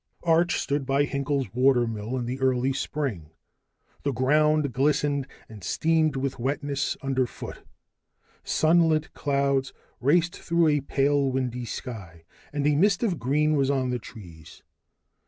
Arch stood by Hinkel's watermill in the early spring. The ground glistened and steamed with wetness underfoot, sunlit clouds raced through a pale windy sky, and a mist of green was on the trees.